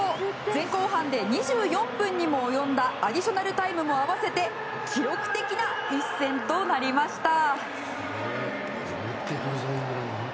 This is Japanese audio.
前後半で２４分にも及んだアディショナルタイムも併せて記録的な一戦となりました。